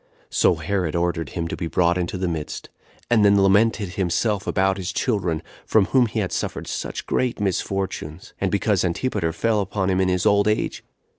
So Herod ordered him to be brought into the midst, and then lamented himself about his children, from whom he had suffered such great misfortunes; and because Antipater fell upon him in his old age.